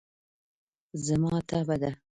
زما تبه ده.